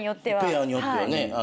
ペアによってはね。